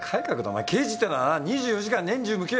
お前刑事ってのはな２４時間年中無休。